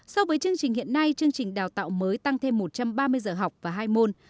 so với chương trình hiện nay chương trình đào tạo mới tăng thêm một trăm ba mươi giờ học và hai môn